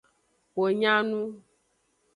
Wo nya nu.